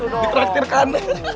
wih di traktirkan